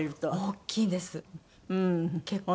大きいんです結構。